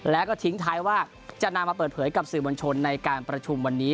แล้วก็ทิ้งท้ายว่าจะนำมาเปิดเผยกับสื่อมวลชนในการประชุมวันนี้